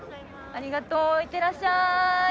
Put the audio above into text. ありがとう行ってらっしゃい。